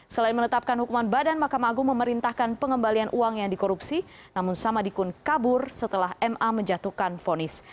selain menetapkan hukuman badan makam agung memerintahkan pengembalian uang yang dikorupsi namun sama dikun kabur setelah ma menjatuhkan vonis